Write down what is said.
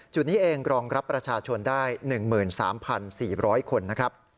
จุดนี้เองรองรับประชาชนได้๑๓๔๐๐คนนะครับ